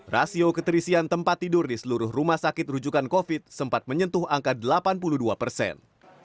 rasio keterisian tempat tidur di seluruh rumah sakit rujukan covid sempat menyentuh angka delapan puluh dua persen